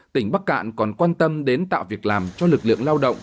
tỉnh bắc cạn còn quan tâm đến tạo việc làm cho lực lượng lao động